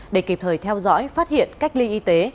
để kịp thời theo dõi phát hiện cách ly y tế